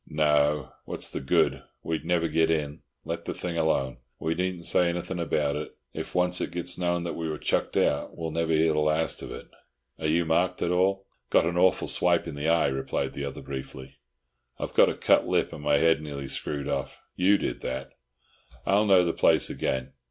"No what's the good? We'd never get in. Let the thing alone. We needn't say anything about it. If once it gets known that we were chucked out, we'll never hear the last of it. Are you marked at all?" "Got an awful swipe in the eye," replied the other briefly. "I've got a cut lip, and my head nearly screwed off. You did that. I'll know the place again.